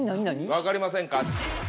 分かりませんか？